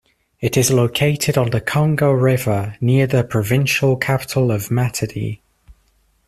It is located on the Congo River, near the provincial capital of Matadi.